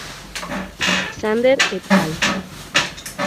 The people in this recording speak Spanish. Sander "et al.